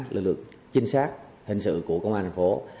lực lượng trinh sát hình sự của công an thành phố